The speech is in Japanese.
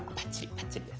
バッチリです。